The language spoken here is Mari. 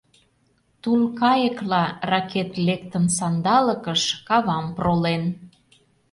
Тул кайыкла ракет лектын сандалыкыш, кавам пролен.